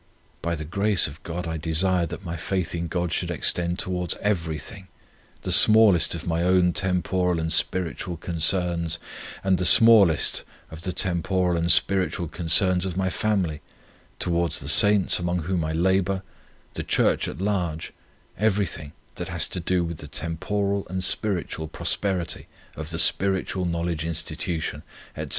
By the grace of God I desire that my faith in God should extend towards EVERY thing, the smallest of my own temporal and spiritual concerns, and the smallest of the temporal and spiritual concerns of my family, towards the saints among whom I labour, the church at large, everything that has to do with the temporal and spiritual prosperity of the Scriptural Knowledge Institution, etc.